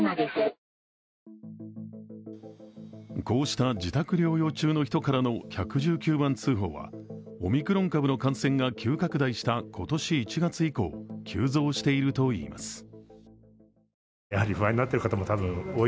こうした自宅療養中の人からの１１９番通報は、オミクロン株の感染が急拡大した今年１月以降、急増しているといいます。